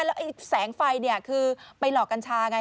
แล้วแสงไฟคือไปหลอกกัญชาไง